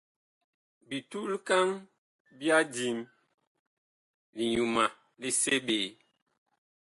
Bitulkaŋ ɓya dim; liŋyuma li seɓe.